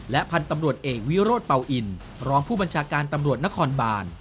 พันธุ์ตำรวจเอกวิโรธเป่าอินรองผู้บัญชาการตำรวจนครบาน